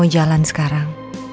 lo juga suka kan